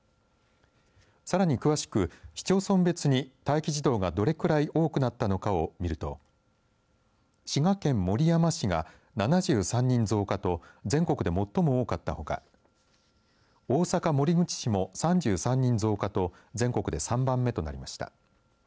さらに詳しく市町村別に待機児童がどれぐらい多くなったのかを見ると滋賀県守山市が７３人増加と全国で最も多かったほか大阪・守口市も３３人増加と全国で３番目となりました。